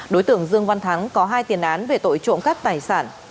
đối tượng dương văn thắng có hai tiền án về tội trộm cắp tài sản